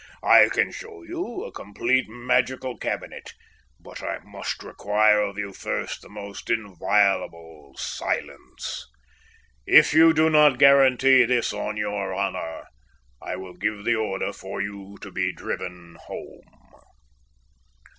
I can show you a complete magical cabinet, but I must require of you first the most inviolable silence. If you do not guarantee this on your honour, I will give the order for you to be driven home.